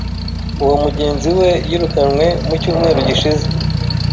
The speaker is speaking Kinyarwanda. Uwo mugenzi we yirukanwe mu cyumweru gishize.